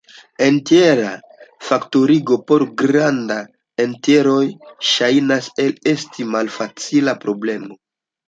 Entjera faktorigo por granda entjeroj ŝajnas al esti malfacila problemo.